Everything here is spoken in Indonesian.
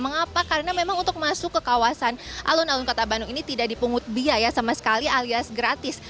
mengapa karena memang untuk masuk ke kawasan alun alun kota bandung ini tidak dipungut biaya sama sekali alias gratis